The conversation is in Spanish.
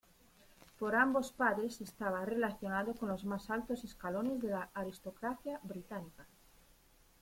Por ambos padres estaba relacionado con los más altos escalones de la aristocracia británica.